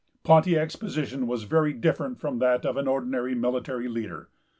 Pontiac's position was very different from that of an ordinary military leader.